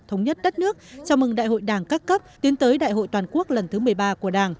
thống nhất đất nước chào mừng đại hội đảng các cấp tiến tới đại hội toàn quốc lần thứ một mươi ba của đảng